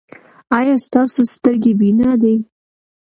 ایا ستاسو سترګې بینا دي؟